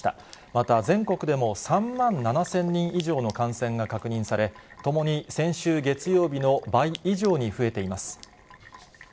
また全国でも３万７０００人以上の感染が確認され、ともに先週月曜日の倍以上に増えています。